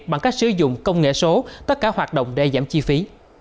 bằng cách sử dụng công nghệ số tất cả hoạt động để giảm chi phí